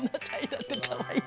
かわいい。